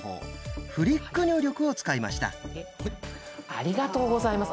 ありがとうございます。